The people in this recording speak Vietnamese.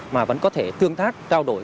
mà vẫn có thể tương tác trao đổi